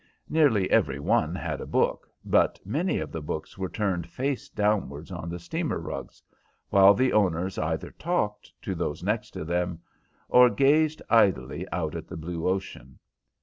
Nearly every one had a book, but many of the books were turned face downwards on the steamer rugs, while the owners either talked to those next them, or gazed idly out at the blue ocean.